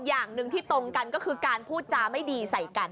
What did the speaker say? อย่างหนึ่งที่ตรงกันก็คือการพูดจาไม่ดีใส่กัน